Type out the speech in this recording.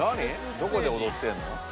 どこでおどってんの？